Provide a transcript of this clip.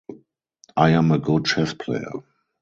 I am a good chess player.